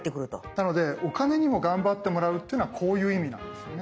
なのでお金にも頑張ってもらうってのはこういう意味なんですよね。